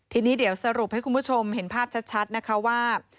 ทีนี้เดี๋ยวสรุปให้คุณผู้ชมเห็นภาพชัดนะคะว่า